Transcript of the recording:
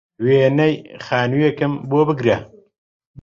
وێنەی خانووێکم بۆ بگرە